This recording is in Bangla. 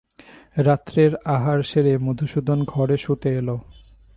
রাত্রের আহার সেরে মধুসূদন ঘরে শুতে এল।